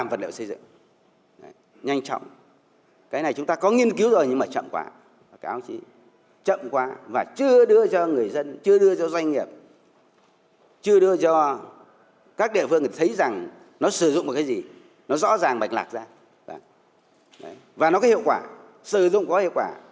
và nó có hiệu quả sử dụng có hiệu quả